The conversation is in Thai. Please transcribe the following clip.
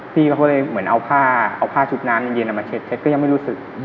พี่เขาเลยเหมือนเอาผ้าชุดน้ำในเย็นมาเช็ดก็ยังไม่รู้สึก